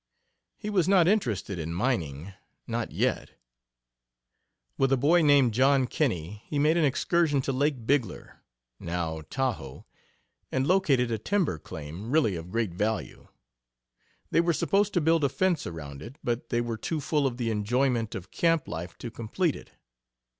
He was not interested in mining not yet. With a boy named John Kinney he made an excursion to Lake Bigler now Tahoe and located a timber claim, really of great value. They were supposed to build a fence around it, but they were too full of the enjoyment of camp life to complete it.